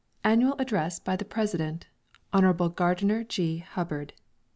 Annual Address by the President, \ HON GARDINER G. HUBBARD.